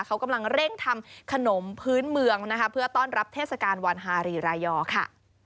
เขากำลังเร่งทำขนมพื้นเมืองนะคะเพื่อต้อนรับเทศกาลวันฮารีรายยอค่ะ